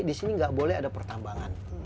di sini nggak boleh ada pertambangan